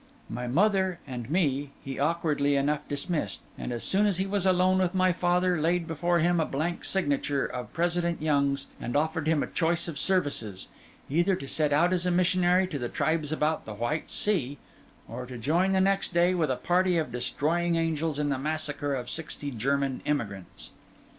My mother and me, he awkwardly enough dismissed; and as soon as he was alone with my father laid before him a blank signature of President Young's, and offered him a choice of services: either to set out as a missionary to the tribes about the White Sea, or to join the next day, with a party of Destroying Angels, in the massacre of sixty German immigrants.